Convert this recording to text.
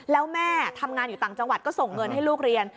แล้วแม่ทำงานอยู่ต่างจังหวัดก็ส่งเงินให้ลูกเรียน